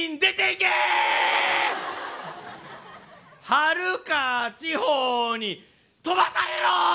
はるか地方に飛ばされろ！